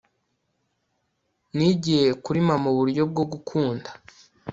Nigiye kuri mama uburyo bwo gukunda